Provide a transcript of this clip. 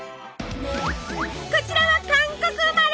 こちらは韓国生まれ。